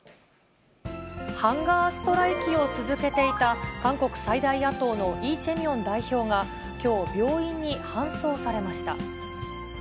ハンガーストライキを続けていた韓国最大野党のイ・ジェミョン代表がきょう、病院に搬送されました。